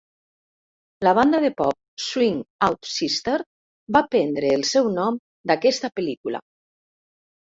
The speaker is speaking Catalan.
La banda de pop Swing Out Sister va prendre el seu nom d'aquesta pel·lícula.